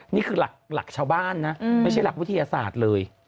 นี่คือหลักชาวบ้านนะไม่ใช่หลักวิทยาศาสตร์เลย